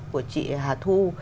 của chị hà thu